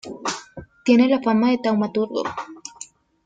Tiene la fama de taumaturgo.